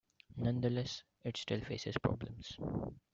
Nonetheless, it still faces problems.